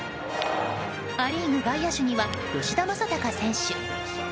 ア・リーグ外野手には吉田正尚選手。